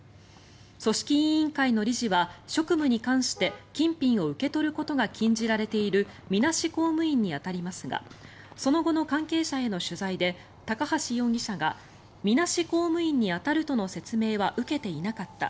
組織委員会の理事は職務に関して金品を受け取ることが禁じられているみなし公務員に当たりますがその後の関係者への取材で高橋容疑者がみなし公務員に当たるとの説明は受けていなかった